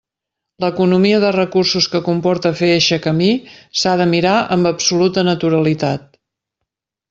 L'economia de recursos que comporta fer eixe camí s'ha de mirar amb absoluta naturalitat.